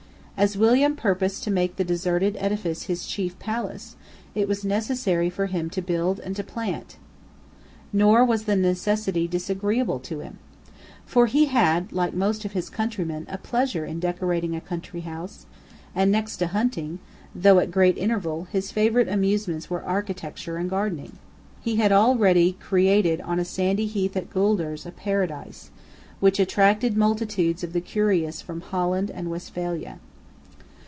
As William purposed to make the deserted edifice his chief palace, it was necessary for him to build and to plant; nor was the necessity disagreeable to him. For he had, like most of his countrymen, a pleasure in decorating a country house; and next to hunting, though at a great interval, his favourite amusements were architecture and gardening. He had already created on a sandy heath in Guelders a paradise, which attracted multitudes of the curious from Holland and Westphalia.